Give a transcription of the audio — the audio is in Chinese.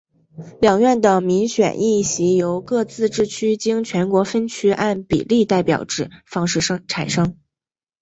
两院的民选议席由各自治区经全国分区按比例代表制方式产生。